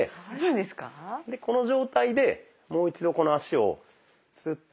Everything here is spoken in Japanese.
でこの状態でもう一度この足をスッて。